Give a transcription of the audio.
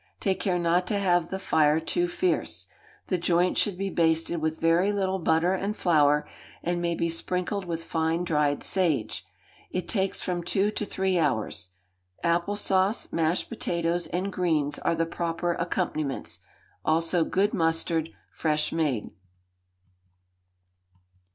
Take care not to have the fire too fierce. The joint should be basted with very little butter and flour, and may be sprinkled with fine dried sage, It takes from two to three hours. Apple sauce, mashed potatoes, and greens are the proper accompaniments, also good mustard, fresh made.